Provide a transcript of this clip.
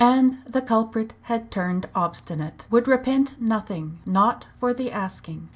And the culprit had turned obstinate would repent nothing not for the asking.